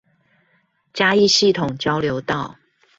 嘉義系統交流道